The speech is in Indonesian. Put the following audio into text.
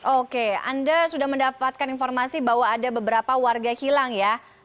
oke anda sudah mendapatkan informasi bahwa ada beberapa warga hilang ya